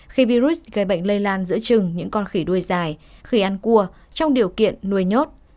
khi virus gây bệnh lây lan giữa trừng những con khỉ đuôi dài khi ăn cua trong điều kiện nuôi nhốt